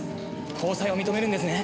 交際を認めるんですね？